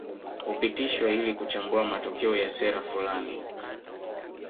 Hupitishwa ili kuchambua matokeo ya sera fulani